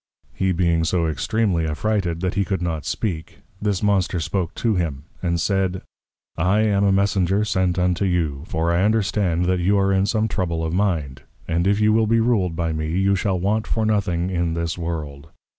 He being so extreamly affrighted, that he could not speak; this Monster spoke to him, and said, _I am a Messenger sent unto you, for I understand that you are in some Trouble of Mind, and if you will be ruled by me, you shall want for nothing in this World.